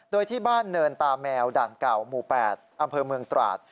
โดยที่บ้านเนินตาแมวด่านเก่าหมู่๘อำเภอเมืองตราด